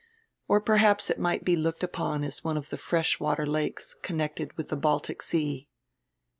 Or perhaps it might be looked upon as one of the fresh water lakes connected witii die Baltic Sea.